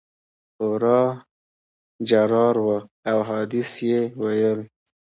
خورا جرار وو او احادیث یې ویل.